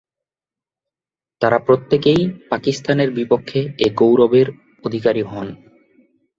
তারা প্রত্যেকেই পাকিস্তানের বিপক্ষে এ গৌরবের অধিকারী হন।